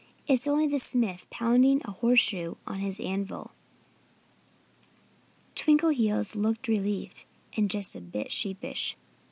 It's only the smith pounding a horseshoe on his anvil." Twinkleheels looked relieved and just a bit sheepish.